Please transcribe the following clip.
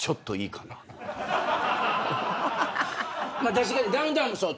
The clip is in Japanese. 確かにダウンタウンもそう。